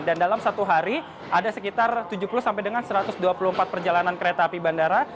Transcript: dan dalam satu hari ada sekitar tujuh puluh sampai dengan satu ratus dua puluh empat perjalanan kereta api bandara